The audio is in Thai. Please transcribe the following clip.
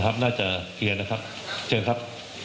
น่าจะเคลียร์นะครับเชิญครับ